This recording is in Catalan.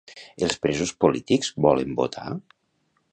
Els presos polítics volen votar?